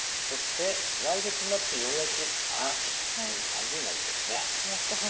来月になってようやく秋という感じになりそうです。